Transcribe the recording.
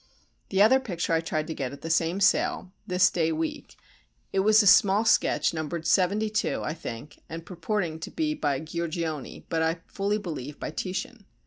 The other picture I tried to get at the same sale (this day week); it was a small sketch numbered 72 (I think) and purporting to be by Giorgione but, I fully believe, by Titian.